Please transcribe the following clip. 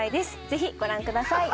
ぜひご覧ください。